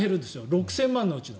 ６０００万のうちの。